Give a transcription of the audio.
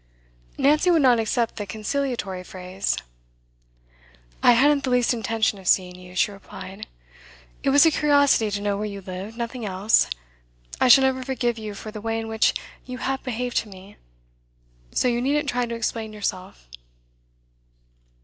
Nancy would not accept the conciliatory phrase. 'I hadn't the least intention of seeing you,' she replied. 'It was a curiosity to know where you lived, nothing else. I shall never forgive you for the way in which you have behaved to me, so you needn't try to explain yourself.